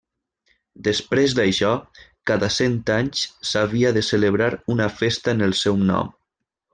Després d'això cada cent anys s'havia de celebrar una festa en el seu nom.